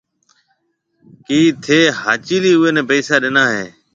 ڪِي ٿَي هاچيلِي اوَي نَي پيسآ ڏِنا هيَ؟